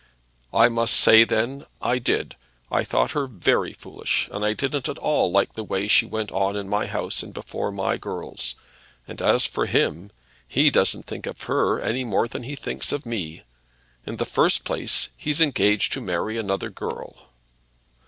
"I must say, then, I did; I thought her very foolish, and I didn't at all like the way she went on in my house and before my girls. And as for him, he doesn't think of her any more than he thinks of me. In the first place, he's engaged to another girl."